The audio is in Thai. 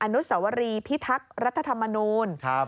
อนุสวรีพิทักษ์รัฐธรรมนูล